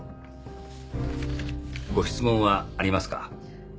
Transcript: ご質問はありますか？